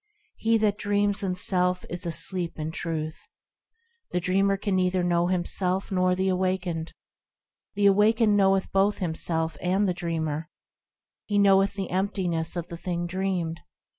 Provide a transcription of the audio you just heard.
He that dreams in self is asleep in Truth. The dreamer can neither know himself nor the awakened ; The awakened knoweth both himself and the dreamer, He also knoweth the emptiness of the thing dreamed.